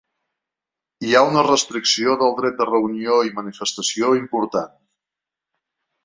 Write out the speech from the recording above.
Hi ha una restricció del dret de reunió i manifestació important.